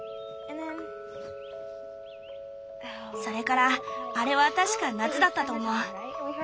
それからあれは確か夏だったと思う。